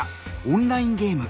オンラインゲーム。